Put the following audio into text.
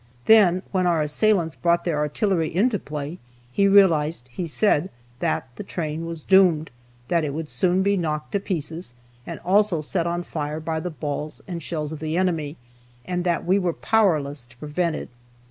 Then, when our assailants brought their artillery into play, he realized, he said, that the train was doomed, that it would soon be knocked to pieces, and also set on fire by the balls and shells of the enemy, and that we were powerless to prevent it.